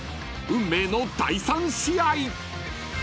［運命の第３試合］